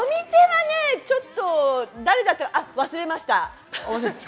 ちょっと誰だか忘れました。